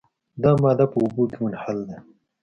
دا ماده په اوبو کې منحل ده.